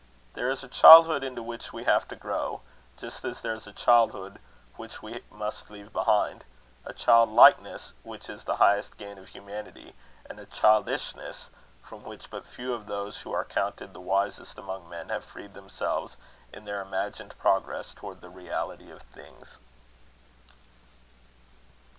There is a childhood into which we have to grow, just as there is a childhood which we must leave behind; a childlikeness which is the highest gain of humanity, and a childishness from which but few of those who are counted the wisest among men, have freed themselves in their imagined progress towards the reality of things.